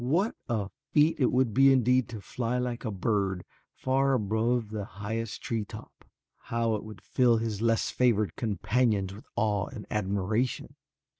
What a feat it would be indeed to fly like a bird far above the highest tree top! How it would fill his less favored companions with awe and admiration!